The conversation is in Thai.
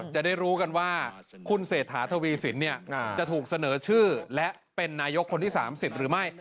จะได้รู้กันว่าคุณเศรษฐาทวีสินจะถูกเสนอชื่อและเป็นนายกคนที่๓๐หรือไม่